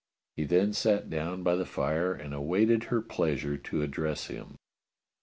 He then sat down by the fire and awaited her pleasure to address him.